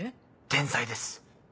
天才です。